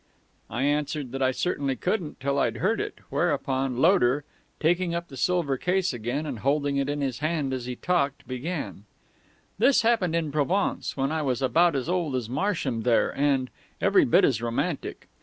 I answered that I certainly couldn't till I'd heard it, whereupon Loder, taking up the silver case again and holding it in his hand as he talked, began: "This happened in Provence, when I was about as old as Marsham there and every bit as romantic.